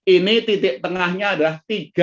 ini titik tengahnya adalah tiga